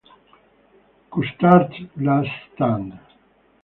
Custard's Last Stand